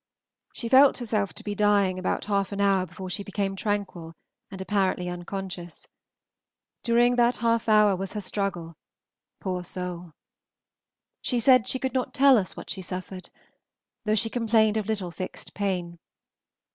She felt herself to be dying about half an hour before she became tranquil and apparently unconscious. During that half hour was her struggle, poor soul! She said she could not tell us what she suffered, though she complained of little fixed pain.